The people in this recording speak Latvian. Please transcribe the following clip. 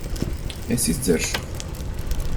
Es izdzeršu.